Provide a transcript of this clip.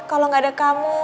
kalau gak ada kamu